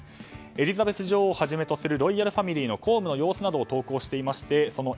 エリザベス女王はじめとするロイヤルファミリーの公務の様子などを投稿していまして